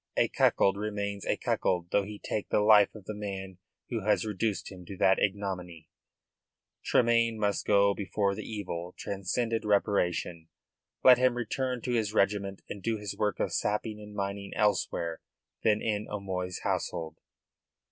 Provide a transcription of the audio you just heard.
A cuckold remains a cuckold though he take the life of the man who has reduced him to that ignominy. Tremayne must go before the evil transcended reparation. Let him return to his regiment and do his work of sapping and mining elsewhere than in O'Moy's household.